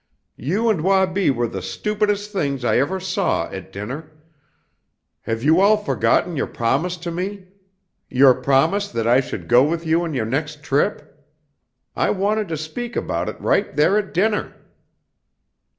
"You and Wabi were the stupidest things I ever saw at dinner! Have you all forgotten your promise to me? your promise that I should go with you on your next trip? I wanted you to speak about it right there at dinner!"